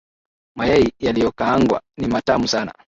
Mayai yaliyokaangwa ni matamu sana.